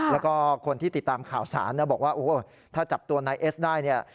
แล้วก็คนที่ติดตามข่าวสารนะบอกว่าโอ้โหถ้าจับตัวนายเอสได้เนี่ย